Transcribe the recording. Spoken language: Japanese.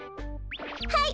はい！